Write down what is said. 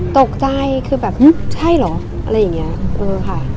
ตกใจคือแบบใช่เหรออะไรอย่างนี้เออค่ะ